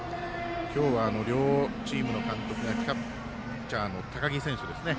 今日は、両チームの監督がキャッチャーの高木選手ですね。